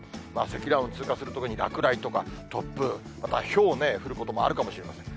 積乱雲通過する所に落雷とか突風、またひょうね、降ることもあるかもしれません。